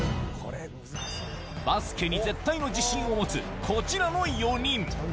バスケに絶対の自信を持つこちらの４人。